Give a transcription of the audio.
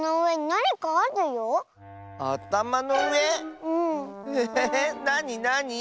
なになに？